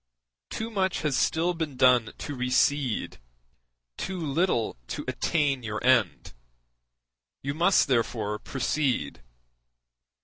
Too much has still been done to recede, too little to attain your end; you must therefore proceed.